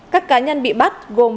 các cá nhân bị bắt gồm